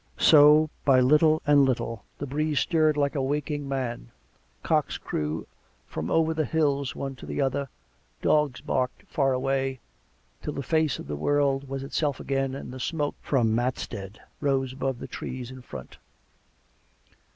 So, by little and little, the breeze stirred like a waking man; cocks crew from over the hills one to the other; dogs barked far away, till the face of the world was itself again, and the smoke from Matstead rose above the trees in front.